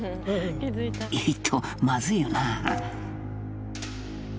「えとまずいよな」